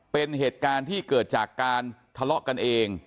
เป็นเหตุการณ์ที่เกิดจากการทะเลาะกันเอง